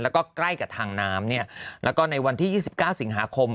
แล้วก็ใกล้กับทางน้ำเนี่ยแล้วก็ในวันที่๒๙สิงหาคม